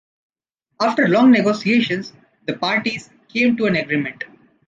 After long negotiations the parties came to an agreement.